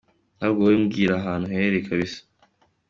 Ahubwo wowe mbwira ahantu uherereye kabisa.